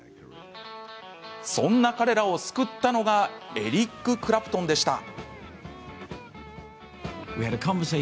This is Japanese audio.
そんな彼らを救ったのがエリック・クラプトンでした。